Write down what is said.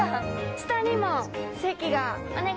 下にも席が。